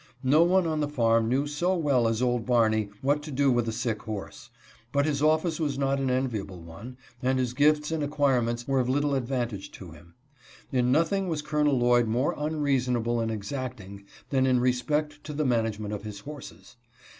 No one on the farm knew so well as old Barney what to do with a sick horse ; but his office was not an enviable one, and his gifts and acquirements were of little advantage to him. In nothing was Col. Lloyd more unreasonable and exacting than in respect to the management of his horses.